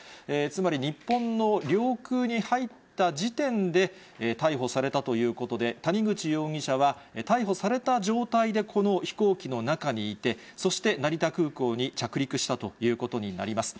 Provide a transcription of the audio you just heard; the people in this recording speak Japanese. つまり日本の領空に入った時点で、逮捕されたということで、谷口容疑者は、逮捕された状態で、この飛行機の中にいて、そして成田空港に着陸したということになります。